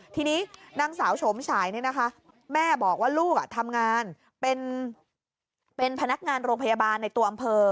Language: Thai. ทีนี้นางสาวโฉมฉายแม่บอกว่าลูกทำงานเป็นพนักงานโรงพยาบาลในตัวอำเภอ